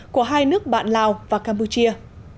của hai nước bạn lào và campuchia